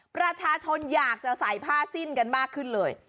ประชาชนอยากจะใส่ผ้าสิ้นกันมากขึ้นเลย